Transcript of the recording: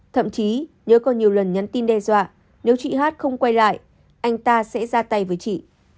thậm chí nhớ còn nhiều lần nhắn tin đe dọa nếu chị hát không quay lại anh ta sẽ ra tay với chị